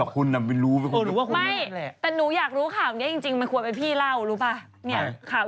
แต่หนูอยากรู้ข่าวนี้จริงมันควรเป็นพี่เล่ารู้ป่าว